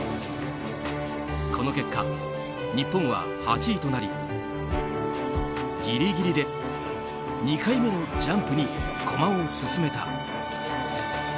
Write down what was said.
この結果、日本は８位となりぎりぎりで２回目のジャンプに駒を進めた。